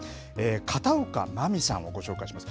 片岡真実さんをご紹介します。